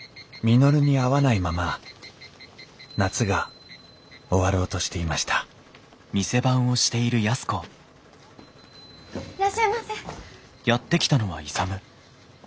・稔に会わないまま夏が終わろうとしていました・いらっしゃいませ。